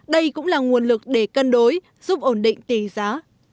đây cũng là nguồn lực để cân đối giúp ổn định tỷ giá